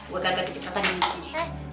gue gagal kecepatan ini